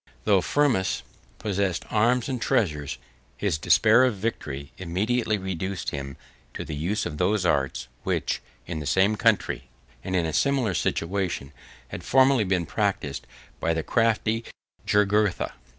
Though Firmus possessed arms and treasures, his despair of victory immediately reduced him to the use of those arts, which, in the same country, and in a similar situation, had formerly been practised by the crafty Jugurtha.